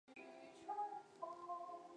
齐燮元任该委员会委员兼治安总署督办。